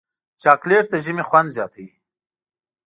چاکلېټ د ژمي خوند زیاتوي.